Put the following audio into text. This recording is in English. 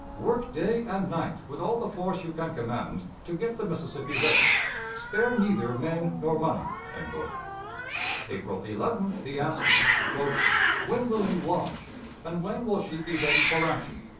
Work day and night with all the force you can command to get the Mississippi ready. Spare neither men nor money." April 11th he asks, "When will you launch, and when will she be ready for action?"